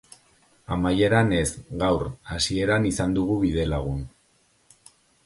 Amaieran ez, gaur, hasieran izan dugu bidelagun.